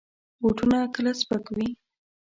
بوټونه کله سپک وي.